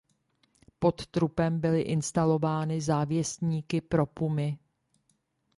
Pod trupem byly instalovány závěsníky pro pumy.